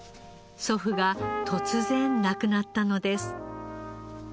祖父が突然亡くなったのです。